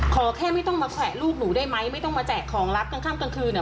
ขอแค่ไม่ต้องมาแขวะลูกหนูได้ไหมไม่ต้องมาแจกของรับกลางค่ำกลางคืนอ่ะ